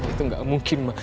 itu gak mungkin ma